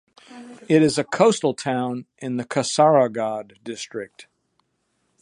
It is a coastal town in Kasaragod district.